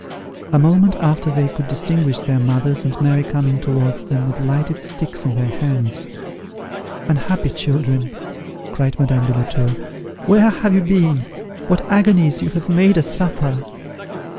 A moment after they could distinguish their mothers and Mary coming towards them with lighted sticks in their hands. "Unhappy children," cried Madame de la Tour, "where have you been? What agonies you have made us suffer!"